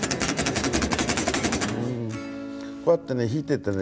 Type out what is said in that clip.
こうやって弾いててね